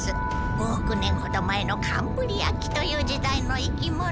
５億年ほど前のカンブリア紀という時代の生き物じゃ。